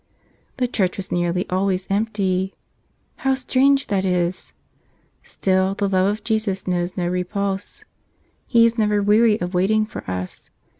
The church was nearly always empty. How strange that is. Still the love of Jesus knows no repulse. He is never weary of waiting for us.